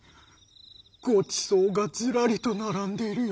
ごちそうがずらりとならんでいるよ。